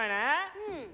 うん。